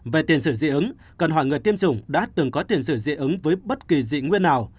về tiền sử dị ứng cần hỏi người tiêu dùng đã từng có tiền sử dị ứng với bất kỳ dị nguyên nào